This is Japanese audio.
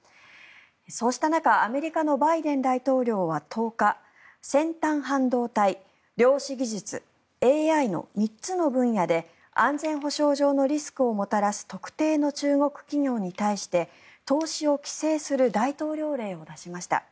そうした中、アメリカのバイデン大統領は１０日先端半導体、量子技術ＡＩの３つの分野で安全保障上のリスクをもたらす特定の中国企業に対して投資を規制する大統領令を出しました。